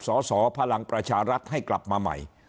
สสพลังประชารัฐให้กลับมาใหม่